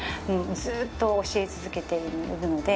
ずっと教え続けているので。